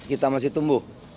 kita masih tumbuh